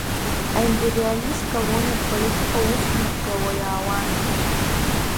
Аимпериалист-колониатә политика ус мҩаԥгауа иаауан.